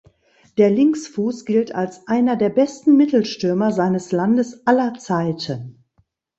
Der Linksfuß gilt als einer der besten Mittelstürmer seines Landes aller Zeiten.